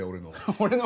俺の。